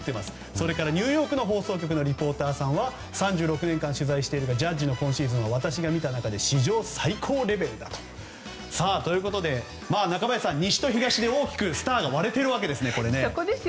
それからニューヨークの放送局のリポーターさんは３６年間取材しているがジャッジの今シーズンは私が見た中で史上最高レベルだと。ということで中林さん、西と東でスターが大きく割れているそうです。